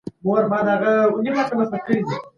د پښتو د پرمختګ لپاره باید پښتو توري په موبایل کي فعال سي.